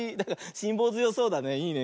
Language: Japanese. しんぼうづよそうだね。